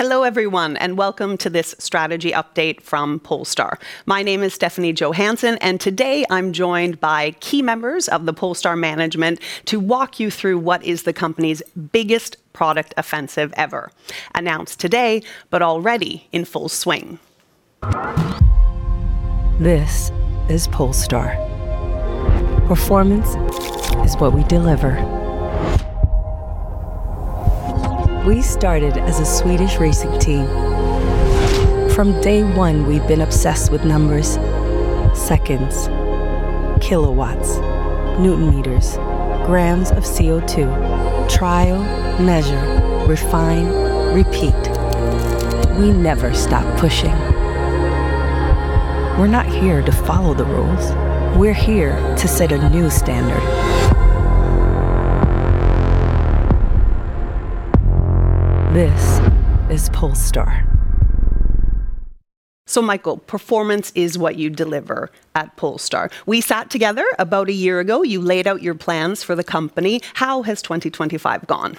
Hello, everyone, and welcome to this strategy update from Polestar. My name is Stephanie Johansson, and today I'm joined by key members of the Polestar management to walk you through what is the company's biggest product offensive ever, announced today, but already in full swing. This is Polestar. Performance is what we deliver. We started as a Swedish racing team. From day one, we've been obsessed with numbers, seconds, kilowatts, newton meters, grams of CO2. Try, measure, refine, repeat. We never stop pushing. We're not here to follow the rules. We're here to set a new standard. This is Polestar. Michael, performance is what you deliver at Polestar. We sat together about a year ago. You laid out your plans for the company. How has 2025 gone?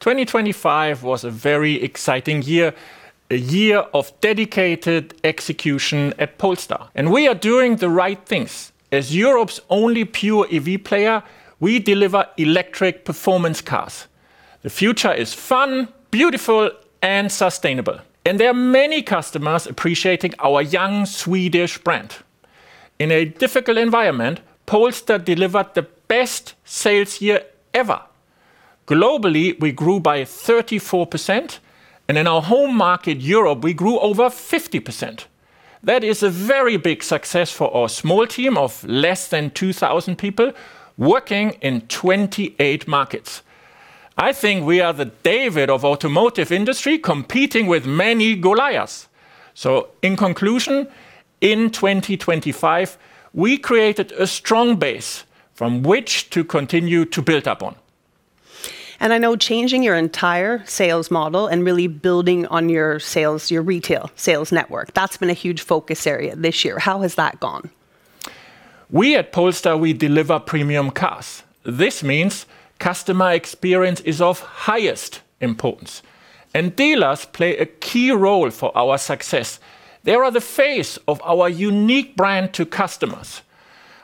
2025 was a very exciting year, a year of dedicated execution at Polestar, and we are doing the right things. As Europe's only pure EV player, we deliver electric performance cars. The future is fun, beautiful, and sustainable, and there are many customers appreciating our young Swedish brand. In a difficult environment, Polestar delivered the best sales year ever. Globally, we grew by 34%, and in our home market, Europe, we grew over 50%. That is a very big success for our small team of less than 2,000 people working in 28 markets. I think we are the David of automotive industry, competing with many Goliaths. In conclusion, in 2025, we created a strong base from which to continue to build upon. I know changing your entire sales model and really building on your sales, your retail sales network, that's been a huge focus area this year. How has that gone? We at Polestar, we deliver premium cars. This means customer experience is of highest importance, and dealers play a key role for our success. They are the face of our unique brand to customers.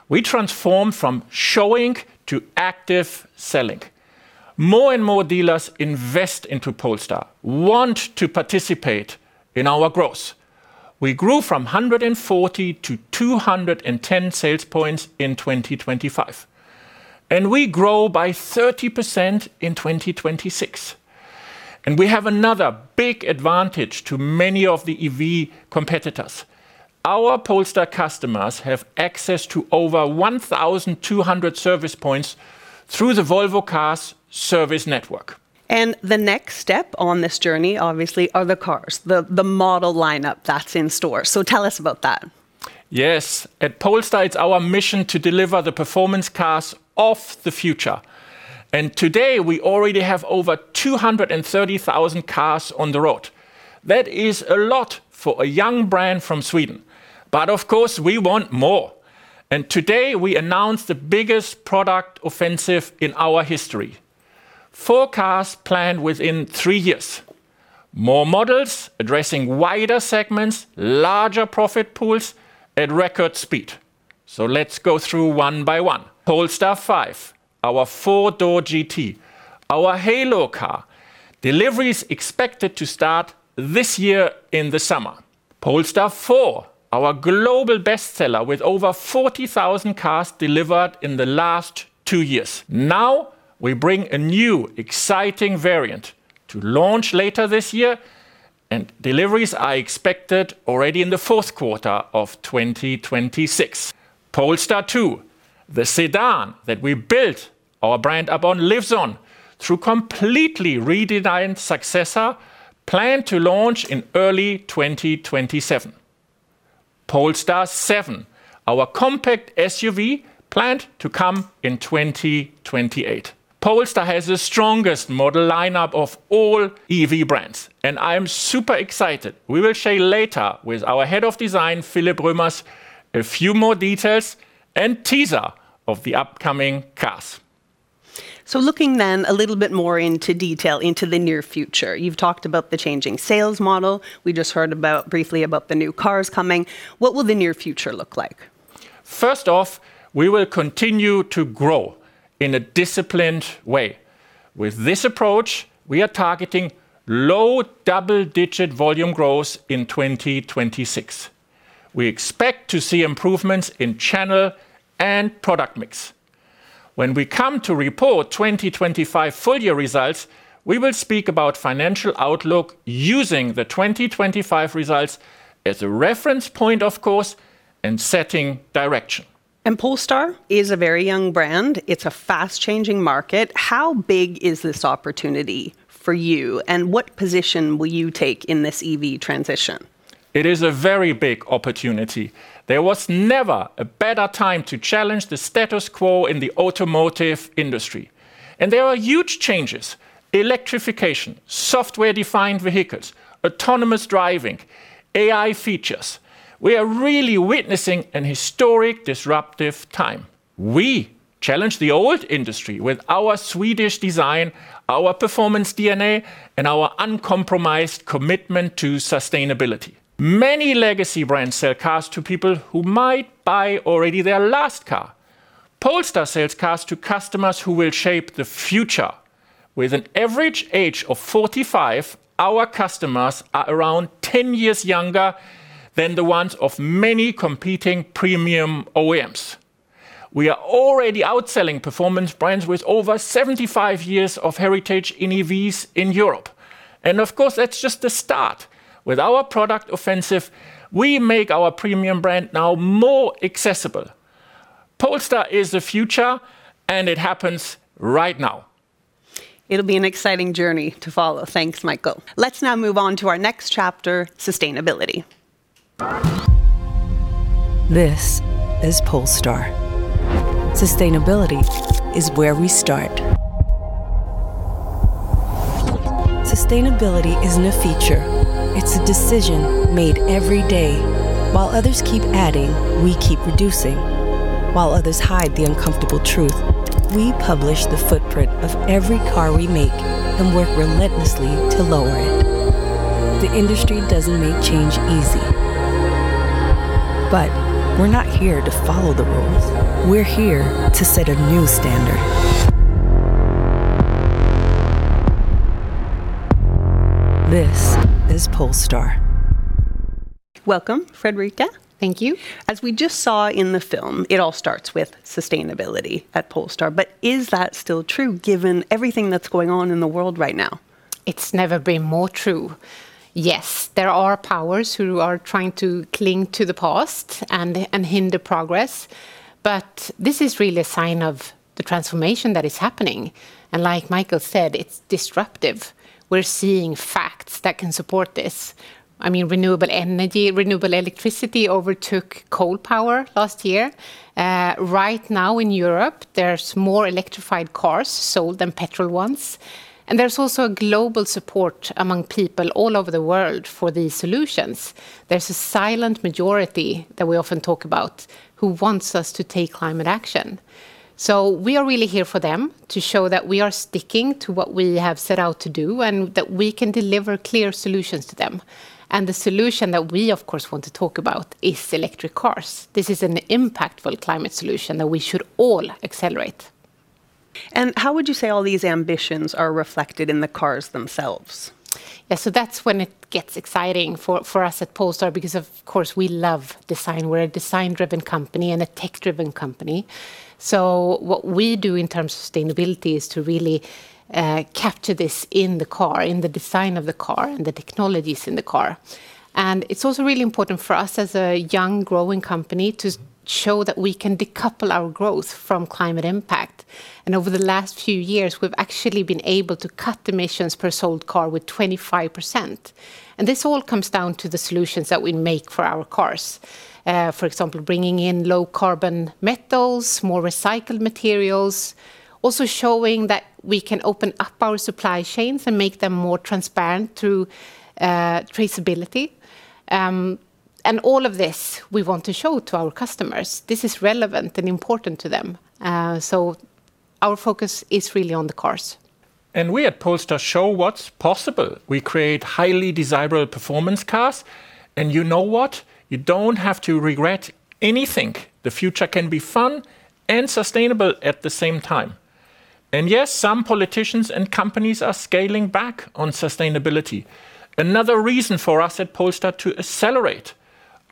We transform from showing to active selling. More and more dealers invest into Polestar, want to participate in our growth. We grew from 140 to 210 sales points in 2025, and we grow by 30% in 2026. We have another big advantage to many of the EV competitors. Our Polestar customers have access to over 1,200 service points through the Volvo Cars service network. The next step on this journey, obviously, are the cars, the model lineup that's in store, so tell us about that. Yes. At Polestar, it's our mission to deliver the performance cars of the future, and today, we already have over 230,000 cars on the road. That is a lot for a young brand from Sweden, but of course, we want more, and today, we announce the biggest product offensive in our history. Four cars planned within three years. More models addressing wider segments, larger profit pools at record speed. So let's go through one by one. Polestar 5, our four-door GT, our halo car. Delivery is expected to start this year in the summer. Polestar 4, our global bestseller with over 40,000 cars delivered in the last two years. Now, we bring a new exciting variant to launch later this year, and deliveries are expected already in the fourth quarter of 2026. Polestar 2, the sedan that we built our brand upon, lives on through completely redesigned successor, planned to launch in early 2027. Polestar 7, our compact SUV, planned to come in 2028. Polestar has the strongest model lineup of all EV brands, and I am super excited. We will share later with our head of design, Philipp Römers, a few more details and teaser of the upcoming cars. So looking then a little bit more into detail into the near future, you've talked about the changing sales model. We just heard briefly about the new cars coming. What will the near future look like? First off, we will continue to grow in a disciplined way. With this approach, we are targeting low double-digit volume growth in 2026. We expect to see improvements in channel and product mix. When we come to report 2025 full year results, we will speak about financial outlook using the 2025 results as a reference point, of course, and setting direction. Polestar is a very young brand. It's a fast-changing market. How big is this opportunity for you, and what position will you take in this EV transition? It is a very big opportunity. There was never a better time to challenge the status quo in the automotive industry, and there are huge changes, electrification, software-defined vehicles, autonomous driving, AI features. We are really witnessing an historic disruptive time. We challenge the old industry with our Swedish design, our performance DNA, and our uncompromised commitment to sustainability. Many legacy brands sell cars to people who might buy already their last car. Polestar sells cars to customers who will shape the future. With an average age of 45, our customers are around 10 years younger than the ones of many competing premium OEMs. We are already outselling performance brands with over 75 years of heritage in EVs in Europe, and of course, that's just the start. With our product offensive, we make our premium brand now more accessible. Polestar is the future, and it happens right now. It'll be an exciting journey to follow. Thanks, Michael. Let's now move on to our next chapter, sustainability. This is Polestar. Sustainability is where we start. Sustainability isn't a feature, it's a decision made every day. While others keep adding, we keep reducing. While others hide the uncomfortable truth, we publish the footprint of every car we make and work relentlessly to lower it. The industry doesn't make change easy, but we're not here to follow the rules. We're here to set a new standard. This is Polestar. Welcome, Fredrika. Thank you. As we just saw in the film, it all starts with sustainability at Polestar, but is that still true given everything that's going on in the world right now? It's never been more true. Yes, there are powers who are trying to cling to the past and hinder progress, but this is really a sign of the transformation that is happening, and like Michael said, it's disruptive. We're seeing facts that can support this. I mean, renewable energy, renewable electricity overtook coal power last year. Right now in Europe, there's more electrified cars sold than petrol ones, and there's also a global support among people all over the world for these solutions. There's a silent majority that we often talk about, who wants us to take climate action. So we are really here for them, to show that we are sticking to what we have set out to do, and that we can deliver clear solutions to them. And the solution that we, of course, want to talk about is electric cars. This is an impactful climate solution that we should all accelerate. How would you say all these ambitions are reflected in the cars themselves? Yeah, so that's when it gets exciting for us at Polestar because, of course, we love design. We're a design-driven company and a tech-driven company. So what we do in terms of sustainability is to really capture this in the car, in the design of the car, and the technologies in the car. And it's also really important for us as a young, growing company to show that we can decouple our growth from climate impact. And over the last few years, we've actually been able to cut emissions per sold car with 25%, and this all comes down to the solutions that we make for our cars. For example, bringing in low carbon metals, more recycled materials. Also showing that we can open up our supply chains and make them more transparent through traceability. And all of this, we want to show to our customers. This is relevant and important to them. So our focus is really on the cars. We at Polestar show what's possible. We create highly desirable performance cars, and you know what? You don't have to regret anything. The future can be fun and sustainable at the same time. And yes, some politicians and companies are scaling back on sustainability. Another reason for us at Polestar to accelerate.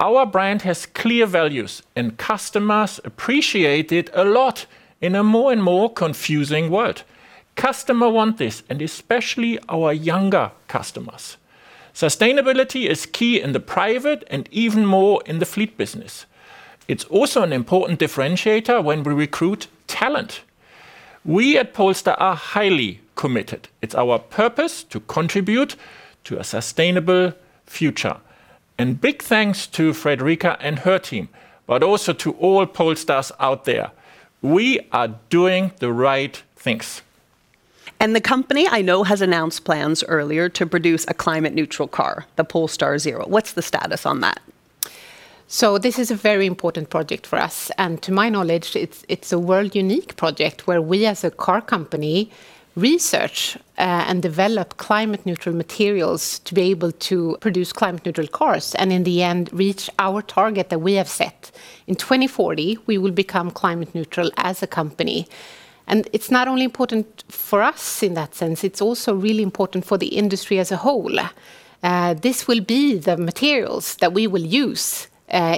Our brand has clear values, and customers appreciate it a lot in a more and more confusing world. Customer want this, and especially our younger customers. Sustainability is key in the private and even more in the fleet business. It's also an important differentiator when we recruit talent. We at Polestar are highly committed. It's our purpose to contribute to a sustainable future. And big thanks to Fredrika and her team, but also to all Polestars out there. We are doing the right things. The company, I know, has announced plans earlier to produce a climate neutral car, the Polestar 0. What's the status on that? So this is a very important project for us, and to my knowledge, it's a world unique project where we as a car company research and develop climate neutral materials to be able to produce climate neutral cars, and in the end, reach our target that we have set. In 2040, we will become climate neutral as a company, and it's not only important for us in that sense, it's also really important for the industry as a whole. This will be the materials that we will use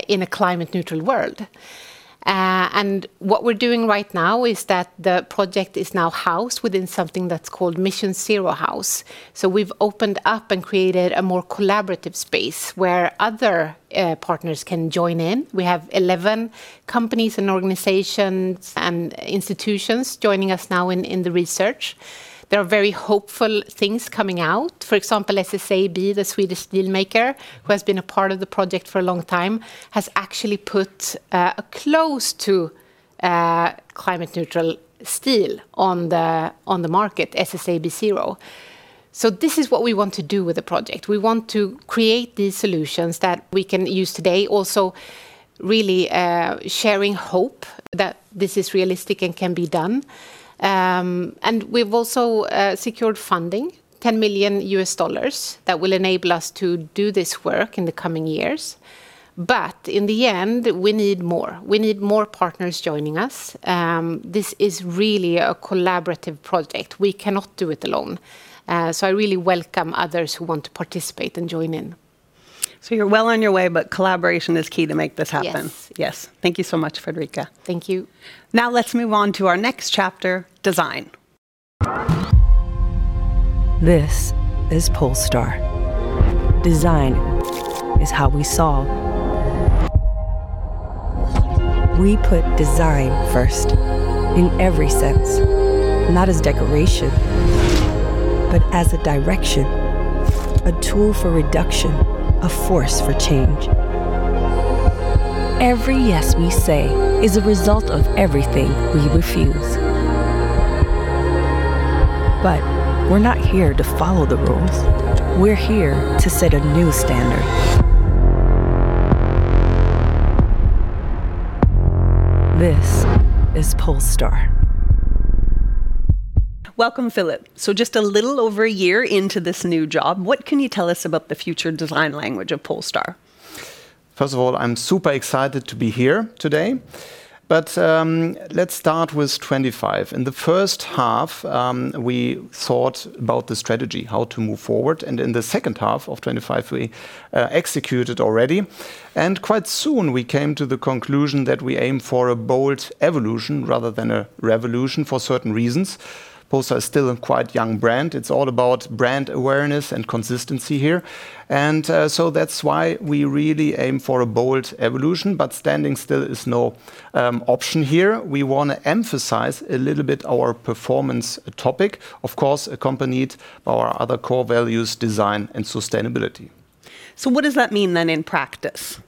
in a climate neutral world. And what we're doing right now is that the project is now housed within something that's called Mission 0 House. So we've opened up and created a more collaborative space, where other partners can join in. We have 11 companies and organizations and institutions joining us now in the research. There are very hopeful things coming out. For example, SSAB, the Swedish steel maker, who has been a part of the project for a long time, has actually put climate neutral steel on the market, SSAB Zero. So this is what we want to do with the project. We want to create these solutions that we can use today. Also, really, sharing hope that this is realistic and can be done. And we've also secured funding, $10 million, that will enable us to do this work in the coming years. But in the end, we need more. We need more partners joining us. This is really a collaborative project. We cannot do it alone. So I really welcome others who want to participate and join in. You're well on your way, but collaboration is key to make this happen? Yes. Yes. Thank you so much, Fredrika. Thank you. Now let's move on to our next chapter: design. This is Polestar. Design is how we solve. We put design first in every sense, not as decoration, but as a direction, a tool for reduction, a force for change. Every yes we say is a result of everything we refuse. But we're not here to follow the rules. We're here to set a new standard. This is Polestar. Welcome, Philipp. So just a little over a year into this new job, what can you tell us about the future design language of Polestar? First of all, I'm super excited to be here today, but let's start with 2025. In the first half, we thought about the strategy, how to move forward, and in the second half of 2025, we executed already. Quite soon we came to the conclusion that we aim for a bold evolution rather than a revolution, for certain reasons. Polestar is still a quite young brand. It's all about brand awareness and consistency here, and so that's why we really aim for a bold evolution. Standing still is no option here. We wanna emphasize a little bit our performance topic, of course, accompanied by our other core values: design and sustainability. What does that mean, then, in practice?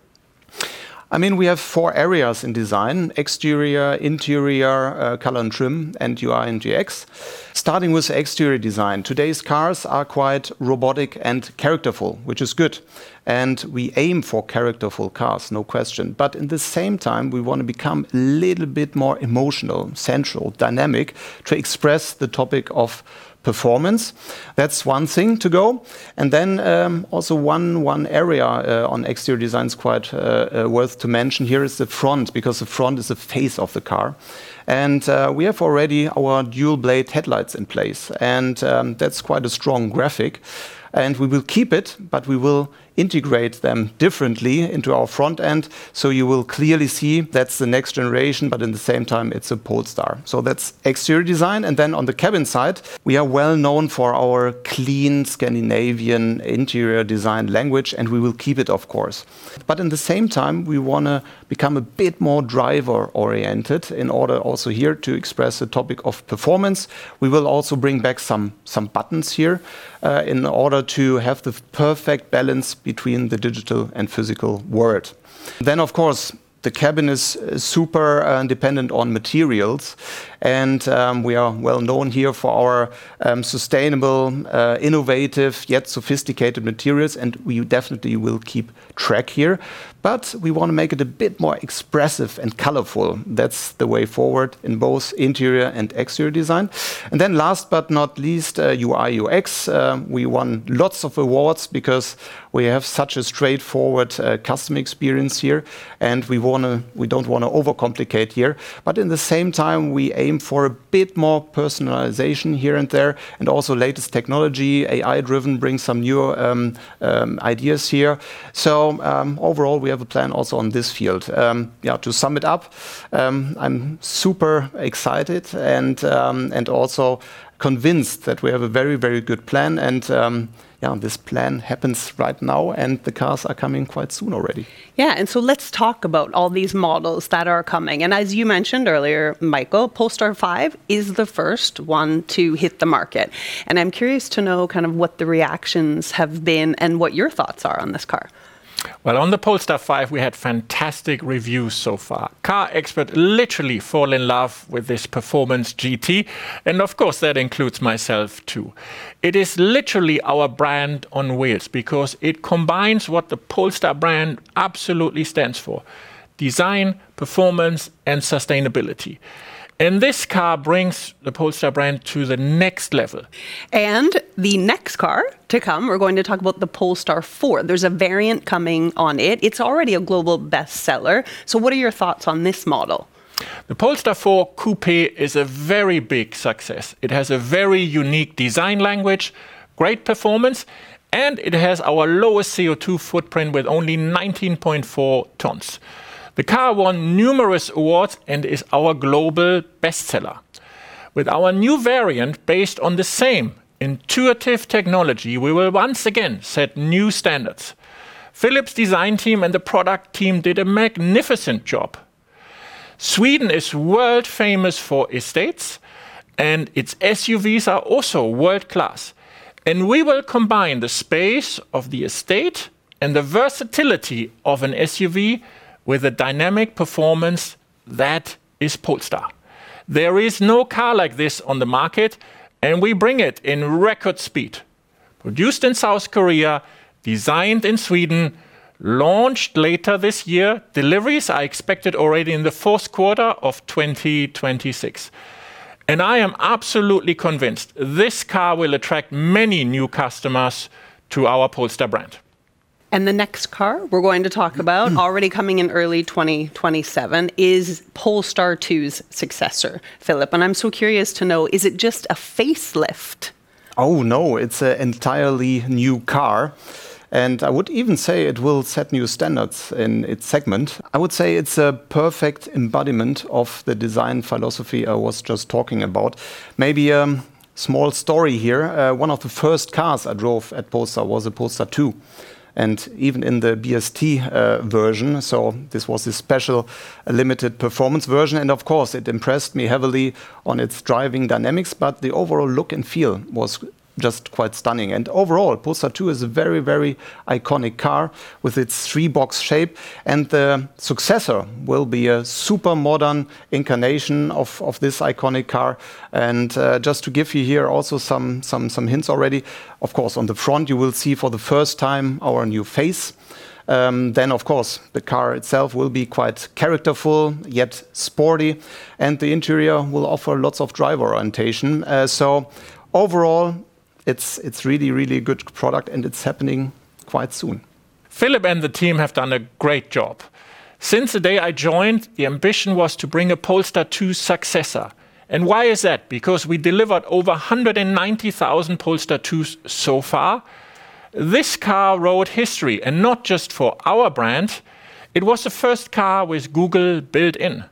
I mean, we have four areas in design: exterior, interior, color and trim, and UI and UX. Starting with exterior design, today's cars are quite robotic and characterful, which is good, and we aim for characterful cars, no question. But in the same time, we wanna become a little bit more emotional, central, dynamic, to express the topic of performance. That's one thing to go. And then, also one area on exterior design is quite worth to mention here is the front, because the front is the face of the car. And, we have already our Dual Blade headlights in place, and, that's quite a strong graphic, and we will keep it, but we will integrate them differently into our front end. So you will clearly see that's the next generation, but in the same time, it's a Polestar. So that's exterior design. And then on the cabin side, we are well known for our clean, Scandinavian interior design language, and we will keep it, of course. But in the same time, we wanna become a bit more driver-oriented in order also here to express the topic of performance. We will also bring back some buttons here in order to have the perfect balance between the digital and physical world. Then, of course, the cabin is super dependent on materials and we are well known here for our sustainable innovative, yet sophisticated materials, and we definitely will keep track here. But we wanna make it a bit more expressive and colorful. That's the way forward in both interior and exterior design. And then last but not least, UI, UX. We won lots of awards because we have such a straightforward customer experience here, and we wanna, we don't wanna overcomplicate here, but in the same time, we aim for a bit more personalization here and there, and also latest technology, AI-driven, bring some new ideas here. So, overall, we have a plan also on this field. Yeah, to sum it up, I'm super excited and also convinced that we have a very, very good plan, and yeah, this plan happens right now, and the cars are coming quite soon already. Yeah, let's talk about all these models that are coming. As you mentioned earlier, Michael, Polestar 5 is the first one to hit the market, and I'm curious to know kind of what the reactions have been and what your thoughts are on this car. Well, on the Polestar 5, we had fantastic reviews so far. Car expert literally fall in love with this performance GT, and of course, that includes myself, too. It is literally our brand on wheels because it combines what the Polestar brand absolutely stands for: design, performance, and sustainability. This car brings the Polestar brand to the next level. The next car to come, we're going to talk about the Polestar 4. There's a variant coming on it. It's already a global bestseller. So what are your thoughts on this model? The Polestar 4 Coupe is a very big success. It has a very unique design language, great performance, and it has our lowest CO2 footprint with only 19.4 tons. The car won numerous awards and is our global bestseller. With our new variant, based on the same intuitive technology, we will once again set new standards. Philipp's design team and the product team did a magnificent job. Sweden is world-famous for estates and its SUVs are also world-class. And we will combine the space of the estate and the versatility of an SUV with a dynamic performance that is Polestar. There is no car like this on the market, and we bring it in record speed. Produced in South Korea, designed in Sweden, launched later this year. Deliveries are expected already in the fourth quarter of 2026. I am absolutely convinced this car will attract many new customers to our Polestar brand. The next car we're going to talk about, already coming in early 2027, is Polestar 2's successor, Philipp. I'm so curious to know, is it just a facelift? Oh, no, it's an entirely new car, and I would even say it will set new standards in its segment. I would say it's a perfect embodiment of the design philosophy I was just talking about. Maybe, small story here, one of the first cars I drove at Polestar was a Polestar 2, and even in the BST version, so this was a special limited performance version, and of course, it impressed me heavily on its driving dynamics, but the overall look and feel was just quite stunning. And overall, Polestar 2 is a very, very iconic car with its three-box shape, and the successor will be a super modern incarnation of this iconic car. And just to give you here also some hints already, of course, on the front, you will see for the first time our new face. Then, of course, the car itself will be quite characterful, yet sporty, and the interior will offer lots of driver orientation. So overall, it's, it's really, really good product, and it's happening quite soon. Philipp and the team have done a great job. Since the day I joined, the ambition was to bring a Polestar 2 successor. And why is that? Because we delivered over 190,000 Polestar 2s so far. This car wrote history, and not just for our brand. It was the first car with Google built-in.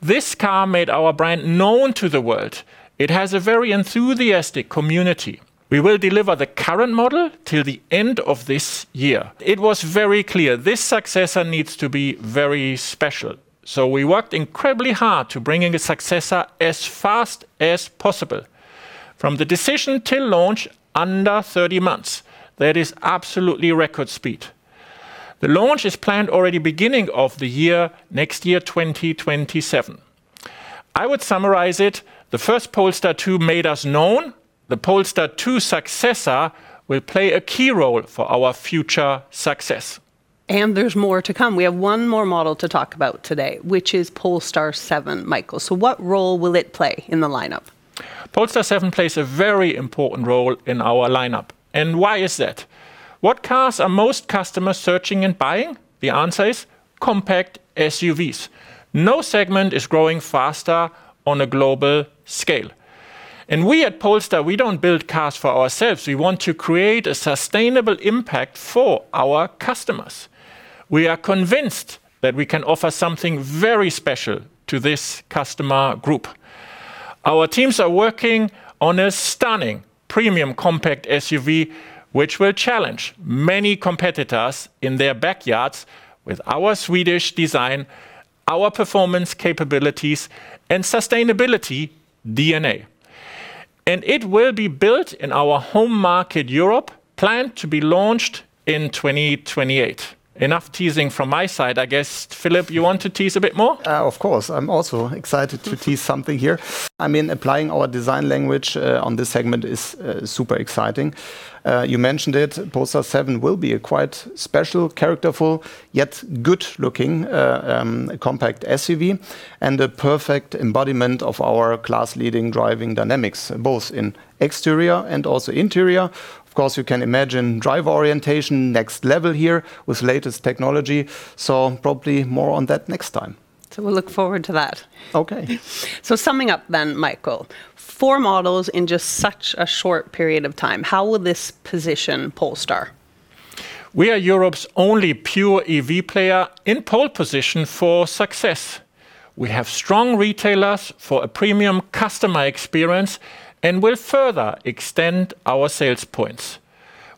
This car made our brand known to the world. It has a very enthusiastic community. We will deliver the current model till the end of this year. It was very clear this successor needs to be very special. So we worked incredibly hard to bringing a successor as fast as possible. From the decision to launch, under 30 months, that is absolutely record speed. The launch is planned already beginning of the year, next year, 2027. I would summarize it, the first Polestar 2 made us known, the Polestar 2 successor will play a key role for our future success. There's more to come. We have one more model to talk about today, which is Polestar 7, Michael. So what role will it play in the lineup? Polestar 7 plays a very important role in our lineup. And why is that? What cars are most customers searching and buying? The answer is compact SUVs. No segment is growing faster on a global scale. And we at Polestar, we don't build cars for ourselves, we want to create a sustainable impact for our customers. We are convinced that we can offer something very special to this customer group. Our teams are working on a stunning premium compact SUV, which will challenge many competitors in their backyards with our Swedish design, our performance capabilities, and sustainability DNA. And it will be built in our home market, Europe, planned to be launched in 2028. Enough teasing from my side. I guess, Philipp, you want to tease a bit more? Of course. I'm also excited to tease something here. I mean, applying our design language on this segment is super exciting. You mentioned it, Polestar 7 will be a quite special, characterful, yet good-looking compact SUV and a perfect embodiment of our class-leading driving dynamics, both in exterior and also interior. Of course, you can imagine driver orientation, next level here, with latest technology, so probably more on that next time. We'll look forward to that. Okay. Summing up then, Michael, four models in just such a short period of time, how will this position Polestar? We are Europe's only pure EV player in pole position for success. We have strong retailers for a premium customer experience and will further extend our sales points.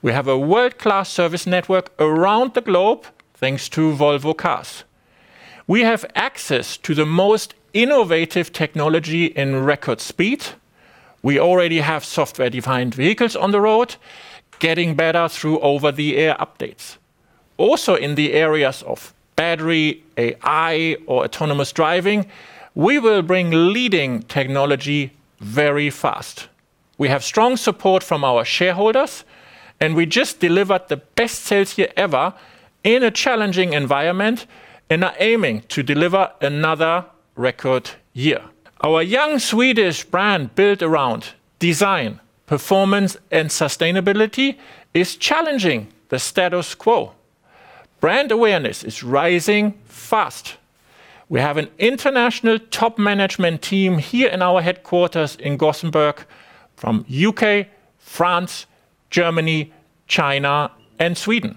We have a world-class service network around the globe, thanks to Volvo Cars. We have access to the most innovative technology in record speed. We already have software-defined vehicles on the road, getting better through over-the-air updates. Also, in the areas of battery, AI, or autonomous driving, we will bring leading technology very fast. We have strong support from our shareholders, and we just delivered the best sales year ever in a challenging environment and are aiming to deliver another record year. Our young Swedish brand, built around design, performance, and sustainability, is challenging the status quo. Brand awareness is rising fast. We have an international top management team here in our headquarters in Gothenburg, from U.K., France, Germany, China, and Sweden.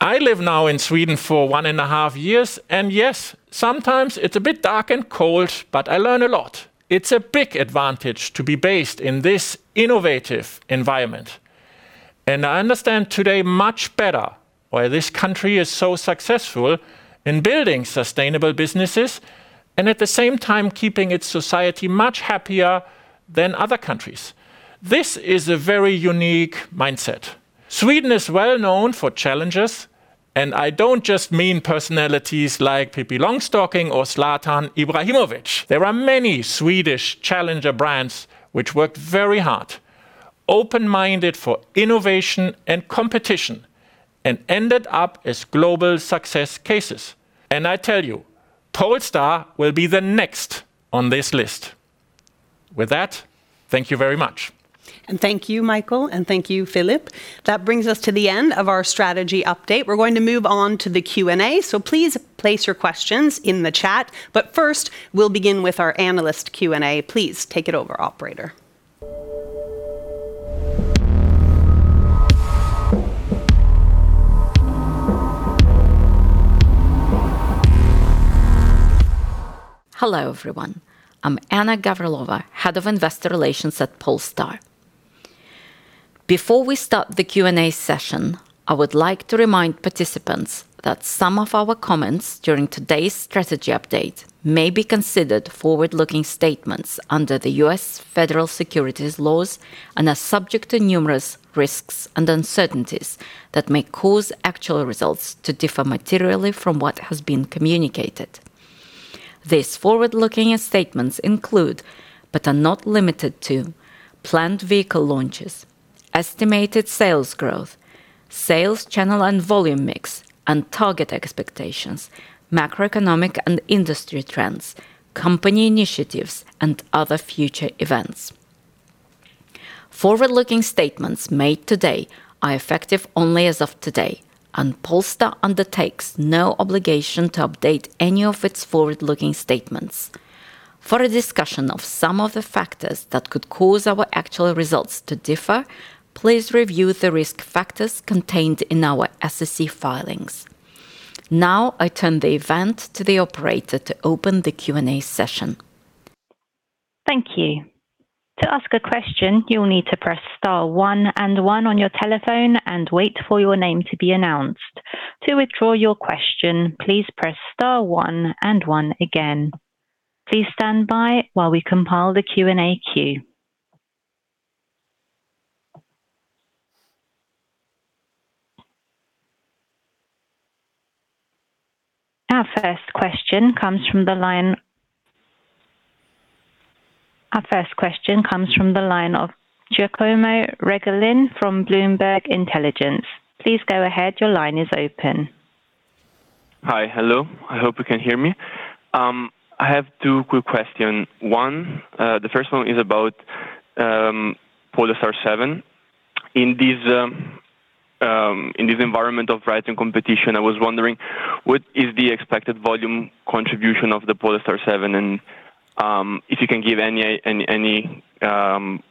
I live now in Sweden for one and a half years, and yes, sometimes it's a bit dark and cold, but I learn a lot. It's a big advantage to be based in this innovative environment and I understand today much better why this country is so successful in building sustainable businesses and at the same time keeping its society much happier than other countries. This is a very unique mindset. Sweden is well known for challengers, and I don't just mean personalities like Pippi Longstocking or Zlatan Ibrahimović. There are many Swedish challenger brands which worked very hard, open-minded for innovation and competition, and ended up as global success cases. And I tell you, Polestar will be the next on this list. With that, thank you very much. Thank you, Michael, and thank you, Philipp. That brings us to the end of our strategy update. We're going to move on to the Q&A, so please place your questions in the chat. But first, we'll begin with our analyst Q&A. Please take it over, operator. Hello, everyone. I'm Anna Gavrilova, Head of Investor Relations at Polestar. Before we start the Q&A session, I would like to remind participants that some of our comments during today's strategy update may be considered forward-looking statements under the U.S. Federal Securities laws and are subject to numerous risks and uncertainties that may cause actual results to differ materially from what has been communicated. These forward-looking statements include, but are not limited to, planned vehicle launches, estimated sales growth, sales channel and volume mix, and target expectations, macroeconomic and industry trends, company initiatives, and other future events. Forward-looking statements made today are effective only as of today, and Polestar undertakes no obligation to update any of its forward-looking statements. For a discussion of some of the factors that could cause our actual results to differ, please review the risk factors contained in our SEC filings. Now, I turn the event to the operator to open the Q&A session. Thank you. To ask a question, you'll need to press star one and one on your telephone and wait for your name to be announced. To withdraw your question, please press star one and one again. Please stand by while we compile the Q&A queue. Our first question comes from the line, our first question comes from the line of Giacomo Reghelin from Bloomberg Intelligence. Please go ahead. Your line is open. Hi. Hello, I hope you can hear me. I have two quick questions. One, the first one is about Polestar 7. In this environment of rising competition, I was wondering, what is the expected volume contribution of the Polestar 7? And, if you can give any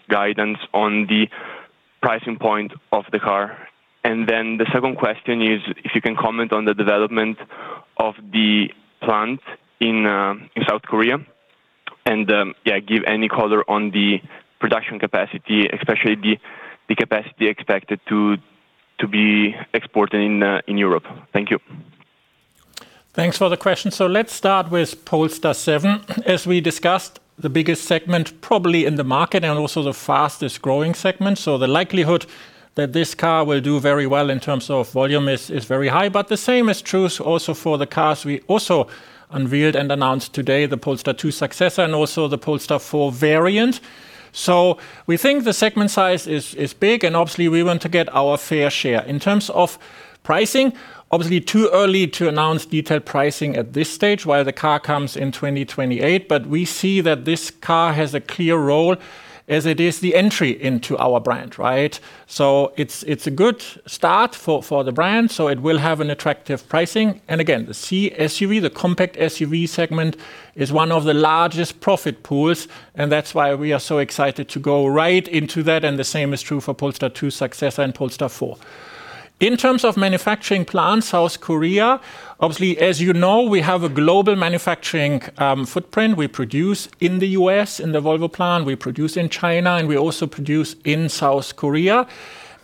guidance on the pricing point of the car. And then the second question is, if you can comment on the development of the plant in South Korea and, yeah, give any color on the production capacity, especially the capacity expected to be exported in Europe. Thank you. Thanks for the question. So let's start with Polestar 7. As we discussed, the biggest segment probably in the market and also the fastest-growing segment. So the likelihood that this car will do very well in terms of volume is very high. But the same is true also for the cars we also unveiled and announced today, the Polestar 2 successor and also the Polestar 4 variant. So we think the segment size is big, and obviously, we want to get our fair share. In terms of pricing, obviously, too early to announce detailed pricing at this stage while the car comes in 2028. But we see that this car has a clear role as it is the entry into our brand, right? So it's a good start for the brand, so it will have an attractive pricing. Again, the C SUV, the compact SUV segment, is one of the largest profit pools, and that's why we are so excited to go right into that, and the same is true for Polestar 2 successor and Polestar 4. In terms of manufacturing plant, South Korea, obviously, as you know, we have a global manufacturing footprint. We produce in the U.S., in the Volvo plant, we produce in China, and we also produce in South Korea.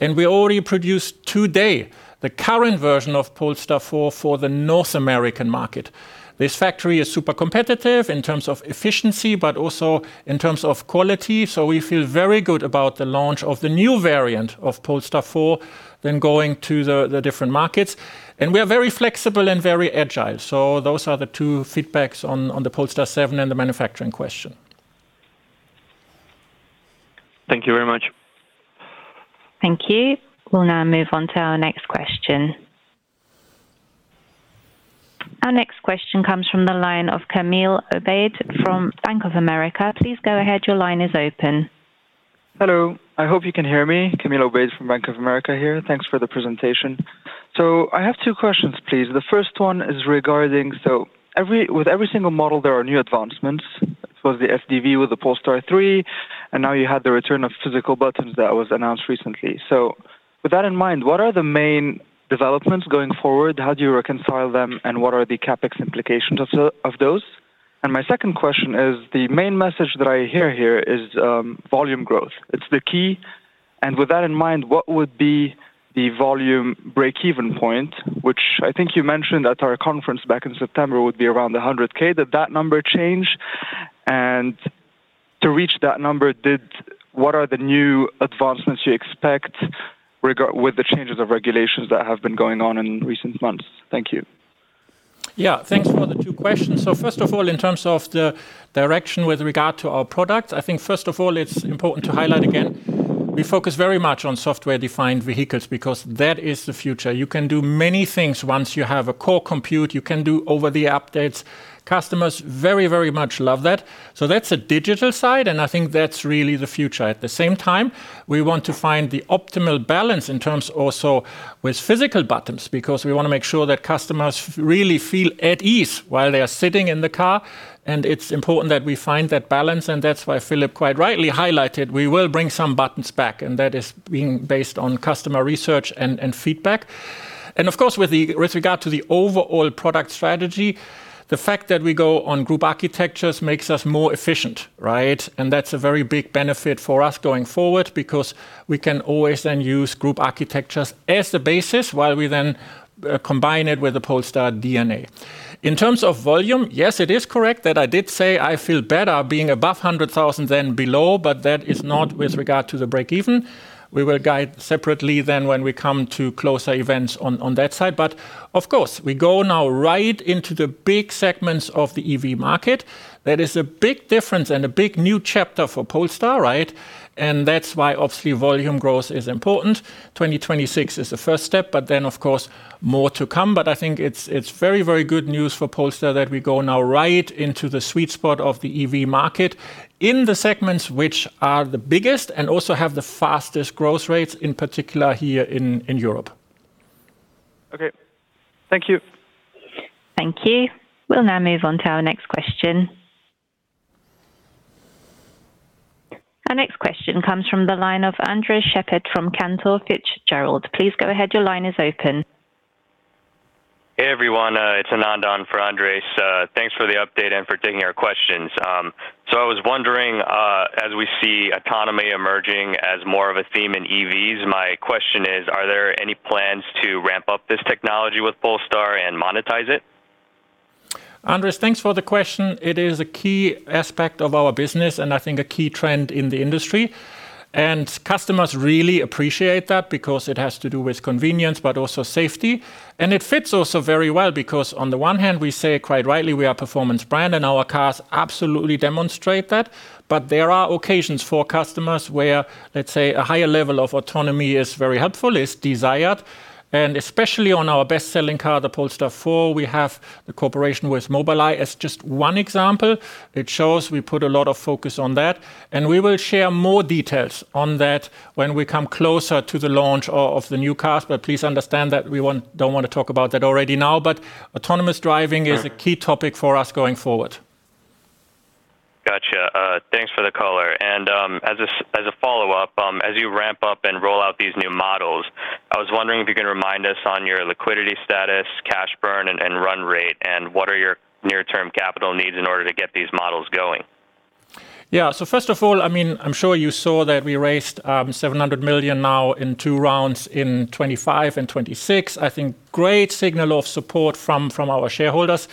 We already produce today the current version of Polestar 4 for the North American market. This factory is super competitive in terms of efficiency but also in terms of quality, so we feel very good about the launch of the new variant of Polestar 4, then going to the different markets. We are very flexible and very agile. Those are the two feedbacks on the Polestar 7 and the manufacturing question. Thank you very much. Thank you. We'll now move on to our next question. Our next question comes from the line of Camille Obeid from Bank of America. Please go ahead. Your line is open. Hello. I hope you can hear me. Camille Obeid from Bank of America here. Thanks for the presentation. So I have two questions, please. The first one is regarding, so with every single model, there are new advancements. It was the SDV with the Polestar 3, and now you have the return of physical buttons that was announced recently. So with that in mind, what are the main developments going forward? How do you reconcile them, and what are the CapEx implications of those? And my second question is, the main message that I hear here is, volume growth. It's the key, and with that in mind, what would be the volume break-even point, which I think you mentioned at our conference back in September, would be around 100K. Did that number change? To reach that number, what are the new advancements you expect with the changes of regulations that have been going on in recent months? Thank you. Yeah, thanks for the two questions. So first of all, in terms of the direction with regard to our product, I think, first of all, it's important to highlight again, we focus very much on software-defined vehicles because that is the future. You can do many things once you have a core compute, you can do over-the-air updates. Customers very, very much love that. So that's a digital side, and I think that's really the future. At the same time, we want to find the optimal balance in terms also with physical buttons, because we want to make sure that customers really feel at ease while they are sitting in the car, and it's important that we find that balance, and that's why Philipp quite rightly highlighted, we will bring some buttons back, and that is being based on customer research and, and feedback. And of course, with the, with regard to the overall product strategy, the fact that we go on group architectures makes us more efficient, right? And that's a very big benefit for us going forward, because we can always then use group architectures as the basis, while we then, combine it with the Polestar DNA. In terms of volume, yes, it is correct that I did say I feel better being above 100,000 than below, but that is not with regard to the break even. We will guide separately then when we come to closer events on that side. But of course, we go now right into the big segments of the EV market. That is a big difference and a big new chapter for Polestar, right? And that's why, obviously, volume growth is important. 2026 is the first step, but then, of course, more to come. I think it's, it's very, very good news for Polestar that we go now right into the sweet spot of the EV market in the segments which are the biggest and also have the fastest growth rates, in particular, here in, in Europe. Okay. Thank you. Thank you. We'll now move on to our next question. Our next question comes from the line of Andres Sheppard from Cantor Fitzgerald. Please go ahead. Your line is open. Hey, everyone, it's Anand on for Andres. Thanks for the update and for taking our questions. I was wondering, as we see autonomy emerging as more of a theme in EVs, my question is: Are there any plans to ramp up this technology with Polestar and monetize it? Andres, thanks for the question. It is a key aspect of our business, and I think a key trend in the industry. And customers really appreciate that because it has to do with convenience but also safety. And it fits also very well, because on the one hand, we say, quite rightly, we are a performance brand, and our cars absolutely demonstrate that. But there are occasions for customers where, let's say, a higher level of autonomy is very helpful, is desired. And especially on our best-selling car, the Polestar 4, we have the cooperation with Mobileye as just one example. It shows we put a lot of focus on that, and we will share more details on that when we come closer to the launch of the new cars. But please understand that we don't want to talk about that already now. But autonomous driving is a key topic for us going forward. Gotcha. Thanks for the color. And, as a follow-up, as you ramp up and roll out these new models, I was wondering if you can remind us on your liquidity status, cash burn, and run rate, and what are your near-term capital needs in order to get these models going? Yeah. So first of all, I mean, I'm sure you saw that we raised $700 million now in two rounds in 2025 and 2026. I think great signal of support from our shareholders,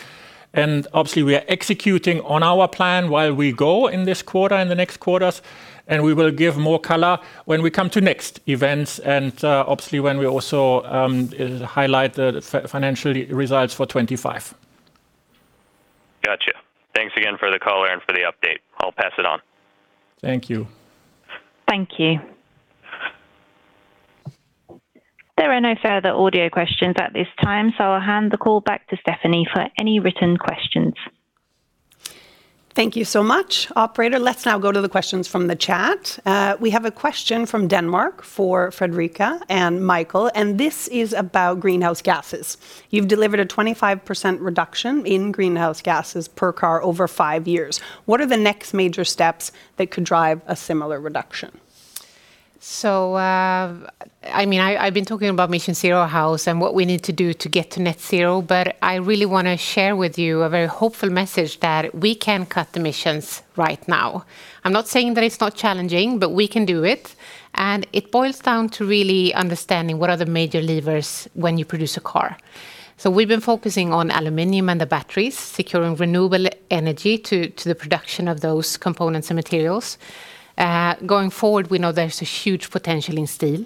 and obviously, we are executing on our plan while we go in this quarter and the next quarters, and we will give more color when we come to next events and obviously, when we also highlight the financial results for 2025. Gotcha. Thanks again for the color and for the update. I'll pass it on. Thank you. Thank you. There are no further audio questions at this time, so I'll hand the call back to Stephanie for any written questions. Thank you so much, operator. Let's now go to the questions from the chat. We have a question from Denmark for Fredrika and Michael, and this is about greenhouse gases. You've delivered a 25% reduction in greenhouse gases per car over five years. What are the next major steps that could drive a similar reduction? So, I mean, I've been talking about Mission 0 House and what we need to do to get to net zero, but I really want to share with you a very hopeful message that we can cut the emissions right now. I'm not saying that it's not challenging, but we can do it, and it boils down to really understanding what are the major levers when you produce a car. So we've been focusing on aluminum and the batteries, securing renewable energy to the production of those components and materials. Going forward, we know there's a huge potential in steel,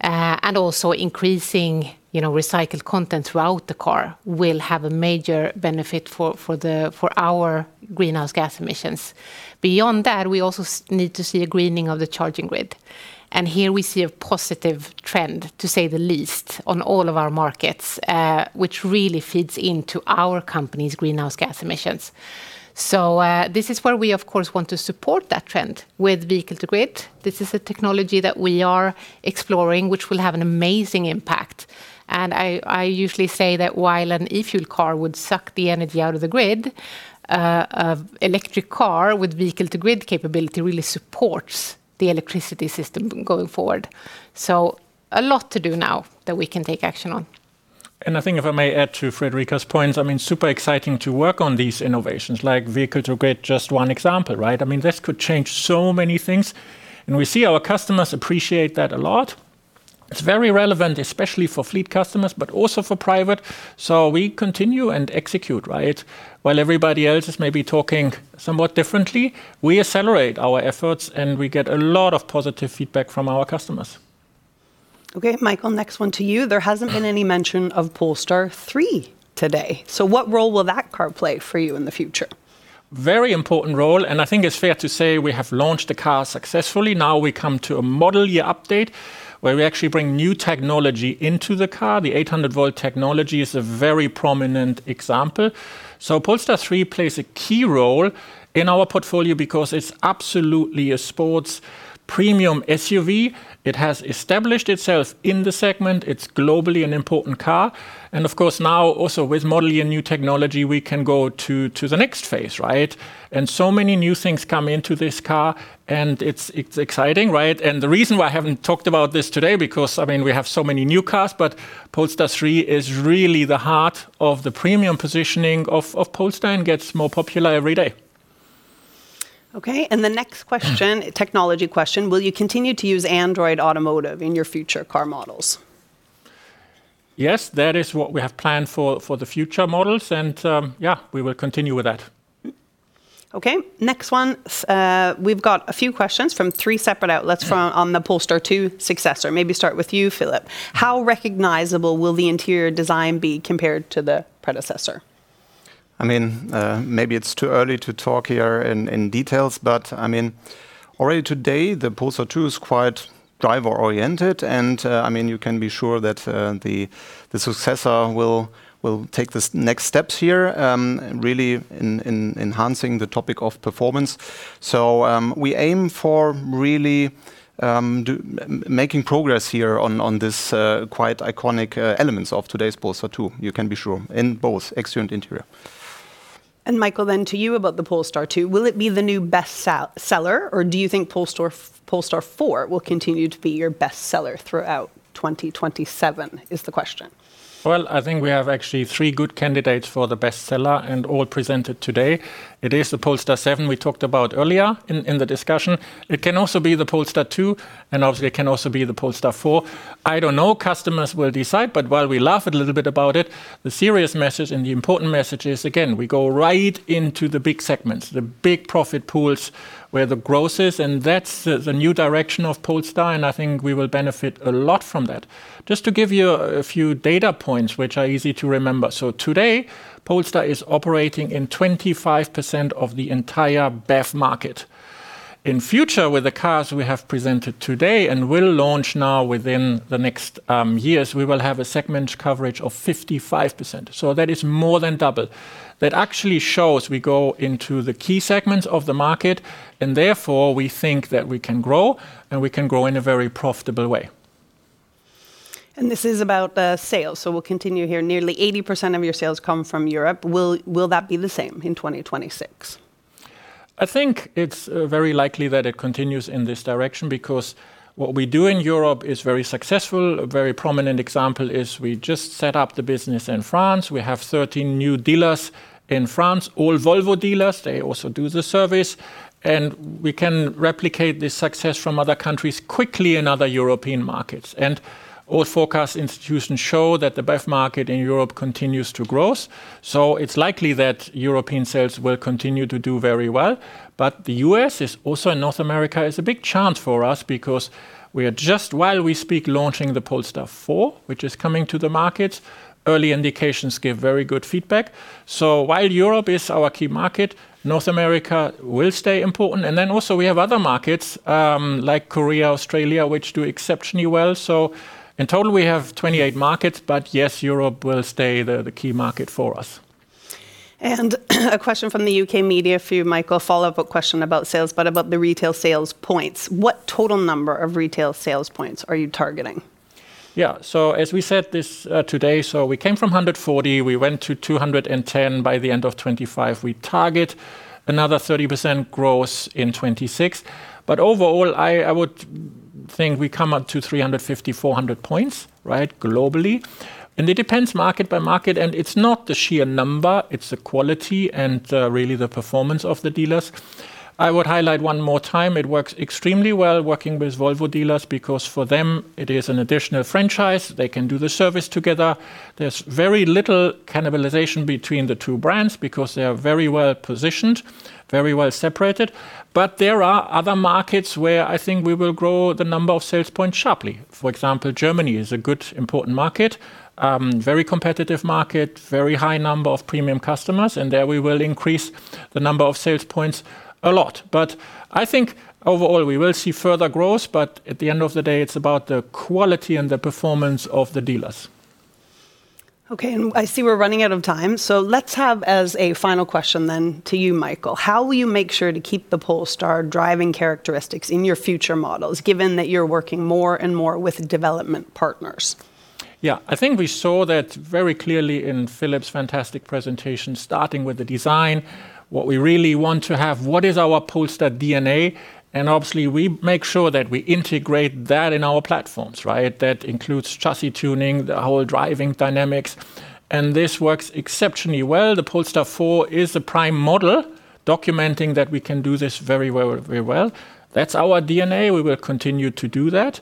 and also increasing, you know, recycled content throughout the car will have a major benefit for our greenhouse gas emissions. Beyond that, we also need to see a greening of the charging grid, and here we see a positive trend, to say the least, on all of our markets, which really feeds into our company's greenhouse gas emissions. So, this is where we, of course, want to support that trend with vehicle-to-grid. This is a technology that we are exploring, which will have an amazing impact. And I usually say that while an e-fuel car would suck the energy out of the grid, a electric car with vehicle-to-grid capability really supports the electricity system going forward. So a lot to do now that we can take action on. I think if I may add to Fredrika's points, I mean, super exciting to work on these innovations, like Vehicle-to-grid, just one example, right? I mean, this could change so many things, and we see our customers appreciate that a lot. It's very relevant, especially for fleet customers, but also for private, so we continue and execute, right? While everybody else is maybe talking somewhat differently, we accelerate our efforts, and we get a lot of positive feedback from our customers. Okay, Michael, next one to you. There hasn't been any mention of Polestar 3 today, so what role will that car play for you in the future? Very important role, and I think it's fair to say we have launched the car successfully. Now we come to a model year update, where we actually bring new technology into the car. The 800-volt technology is a very prominent example. So Polestar 3 plays a key role in our portfolio because it's absolutely a sports premium SUV. It has established itself in the segment. It's globally an important car, and of course, now also with model year new technology, we can go to the next phase, right? And so many new things come into this car, and it's exciting, right? And the reason why I haven't talked about this today, because, I mean, we have so many new cars, but Polestar 3 is really the heart of the premium positioning of Polestar and gets more popular every day. Okay, and the next question: technology question. Will you continue to use Android Automotive in your future car models? Yes, that is what we have planned for the future models, and yeah, we will continue with that. Okay, next one. We've got a few questions from three separate outlets from, on the Polestar 2 successor. Maybe start with you, Philipp. How recognizable will the interior design be compared to the predecessor? I mean, maybe it's too early to talk here in, in details, but I mean, already today, the Polestar 2 is quite driver-oriented, and, I mean, you can be sure that, the, the successor will, will take the next steps here, really in, in enhancing the topic of performance. So, we aim for really, making progress here on, on this, quite iconic, elements of today's Polestar 2, you can be sure, in both exterior and interior. Michael, then to you about the Polestar 2. Will it be the new best seller, or do you think Polestar 4 will continue to be your best seller throughout 2027, is the question? Well, I think we have actually three good candidates for the best seller, and all presented today. It is the Polestar 7 we talked about earlier in the discussion. It can also be the Polestar 2, and obviously, it can also be the Polestar 4. I don't know. Customers will decide, but while we laugh a little bit about it, the serious message and the important message is, again, we go right into the big segments, the big profit pools, where the growth is, and that's the new direction of Polestar, and I think we will benefit a lot from that. Just to give you a few data points, which are easy to remember, so today, Polestar is operating in 25% of the entire BEV market. In future, with the cars we have presented today and will launch now within the next years, we will have a segment coverage of 55%, so that is more than double. That actually shows we go into the key segments of the market, and therefore, we think that we can grow, and we can grow in a very profitable way. This is about sales, so we'll continue here. Nearly 80% of your sales come from Europe. Will, will that be the same in 2026? I think it's very likely that it continues in this direction because what we do in Europe is very successful. A very prominent example is we just set up the business in France. We have 13 new dealers in France, all Volvo dealers. They also do the service, and we can replicate this success from other countries quickly in other European markets. All forecast institutions show that the BEV market in Europe continues to grow, so it's likely that European sales will continue to do very well. But the U.S. is also North America, is a big chance for us because we are just, while we speak, launching the Polestar 4, which is coming to the market. Early indications give very good feedback. So while Europe is our key market, North America will stay important, and then also we have other markets, like Korea, Australia, which do exceptionally well. So in total, we have 28 markets, but yes, Europe will stay the key market for us. A question from the U.K. media for you, Michael, a follow-up question about sales but about the retail sales points. What total number of retail sales points are you targeting? Yeah, so as we said this today, so we came from 140. We went to 210 by the end of 2025. We target another 30% growth in 2026, but overall, I, I would think we come up to 350-400 points, right, globally, and it depends market by market, and it's not the sheer number. It's the quality and really the performance of the dealers. I would highlight one more time, it works extremely well working with Volvo dealers because, for them, it is an additional franchise. They can do the service together. There's very little cannibalization between the two brands because they are very well-positioned, very well-separated, but there are other markets where I think we will grow the number of sales points sharply. For example, Germany is a good, important market, very competitive market, very high number of premium customers, and there we will increase the number of sales points a lot. But I think overall we will see further growth, but at the end of the day, it's about the quality and the performance of the dealers. Okay, and I see we're running out of time, so let's have as a final question then to you, Michael. How will you make sure to keep the Polestar driving characteristics in your future models, given that you're working more and more with development partners? Yeah, I think we saw that very clearly in Philipp's fantastic presentation, starting with the design, what we really want to have, what is our Polestar DNA? And obviously, we make sure that we integrate that in our platforms, right? That includes chassis tuning, the whole driving dynamics, and this works exceptionally well. The Polestar 4 is a prime model, documenting that we can do this very well, very well. That's our DNA. We will continue to do that,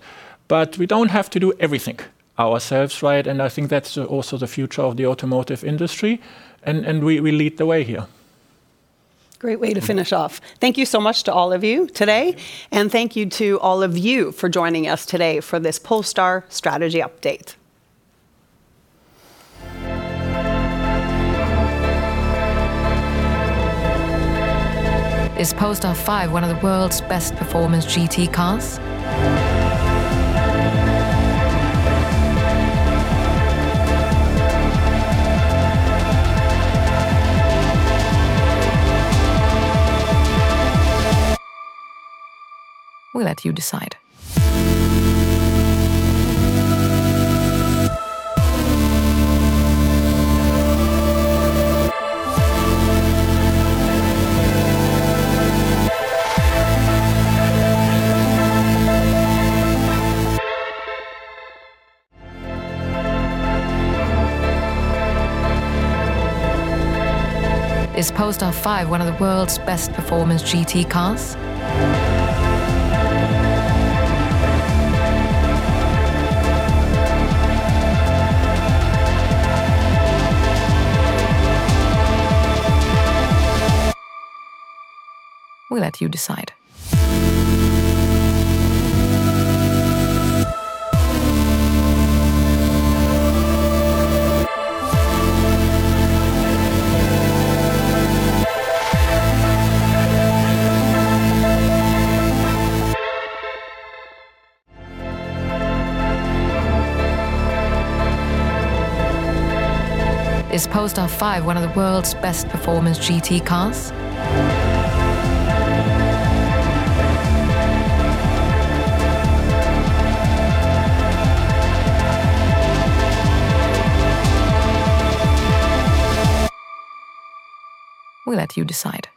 but we don't have to do everything ourselves, right? And I think that's also the future of the automotive industry, and, and we, we lead the way here. Great way to finish off. Thank you so much to all of you today, and thank you to all of you for joining us today for this Polestar strategy update. Is Polestar 5 one of the world's best performance GT cars? We'll let you decide. Is Polestar 5 one of the world's best performance GT cars? We'll let you decide. Is Polestar 5 one of the world's best performance GT cars? We'll let you decide.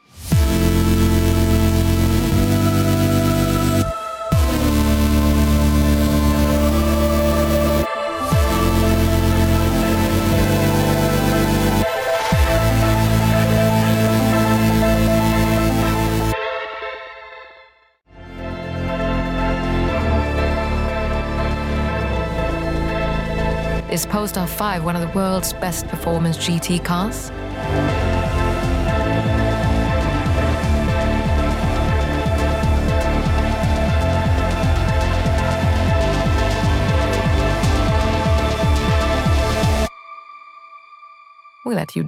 Is Polestar 5 one of the world's best performance GT cars? We'll let you decide.